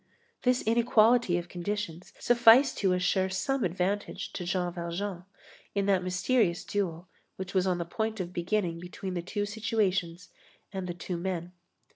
This inequality of conditions sufficed to assure some advantage to Jean Valjean in that mysterious duel which was on the point of beginning between the two situations and the two men.